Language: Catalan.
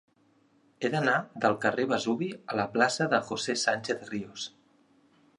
He d'anar del carrer del Vesuvi a la plaça de José Sánchez Ríos.